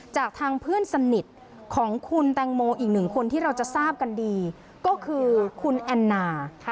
จากทางเพื่อนสนิทของคุณแตงโมอีกหนึ่งคนที่เราจะทราบกันดีก็คือคุณแอนนา